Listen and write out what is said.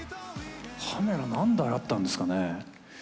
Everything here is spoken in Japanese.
カメラ何台あったんですかね？